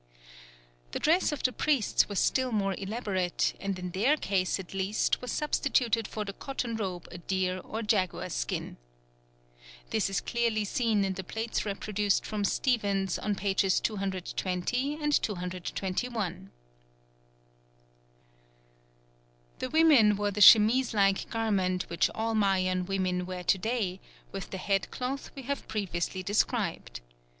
The dress of the priests was still more elaborate, and in their case at least was substituted for the cotton robe a deer or jaguar skin. This is clearly seen in the plates reproduced from Stephens on pages 220 and 221. The women wore the chemise like garment which all Mayan women wear to day, with the headcloth we have previously described.